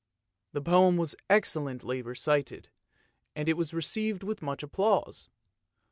The poem was excellently recited, and it was received with much applause.